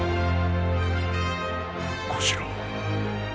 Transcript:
小四郎。